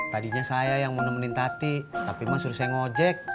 tadinya saya yang mau nemenin tati tapi mas suruh saya ng'ojek